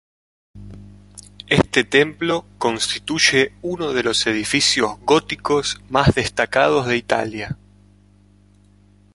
Este templo constituye uno de los edificios góticos más destacados de Italia.